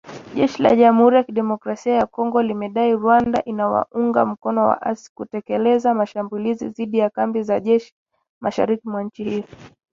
Jeshi la Jamhuri ya Kidemokrasia ya Kongo limedai Rwanda inawaunga mkono waasi kutekeleza mashambulizi dhidi ya kambi za jeshi mashariki mwa nchi hiyo.